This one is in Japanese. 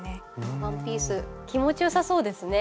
ワンピース気持ちよさそうですね。